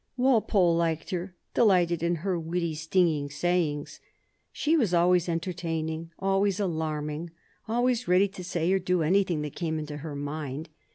Walpole liked her, delighted in her witty, stinging sayings. She was always entertaining, always alarming, always ready to say or do anything that came into her mind.